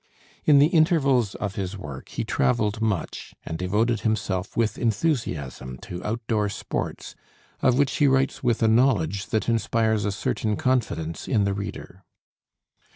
In the intervals of his work he traveled much, and devoted himself with enthusiasm to out door sports, of which he writes with a knowledge that inspires a certain confidence in the reader.